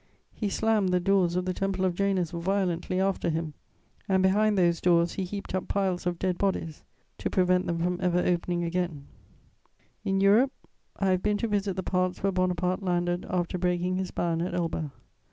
He slammed the doors of the Temple of Janus violently after him; and behind those doors he heaped up piles of dead bodies, to prevent them from ever opening again. * [Sidenote: A visit to the Golfe Juan.] In Europe I have been to visit the parts where Bonaparte landed after breaking his ban at Elba.